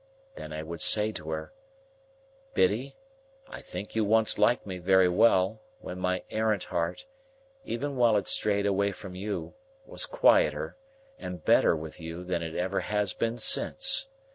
Then I would say to her, "Biddy, I think you once liked me very well, when my errant heart, even while it strayed away from you, was quieter and better with you than it ever has been since.